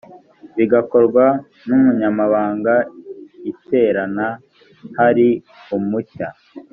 bigakorwa n umunyamabanga iterana hari umushya